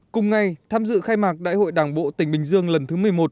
cùng ngay tham dự khai mạc đại hội đảng bộ tỉnh bình dương lần thứ một mươi một